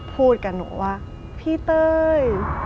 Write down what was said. พูดกับหนูว่าพี่เต้ย